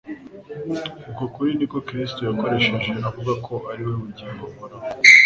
Uko kuri niko Kristo yakoresheje avuga ko ari we bugingo buhoraho.